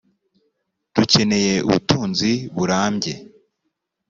dukeneye ubutunzi burambye